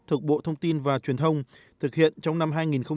thuộc bộ thông tin và truyền thông thực hiện trong năm hai nghìn một mươi chín